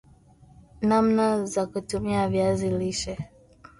namna za kutumia viazi lishe